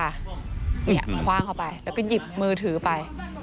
คว่างเข้าไปแล้วก็หยิบมือถือไป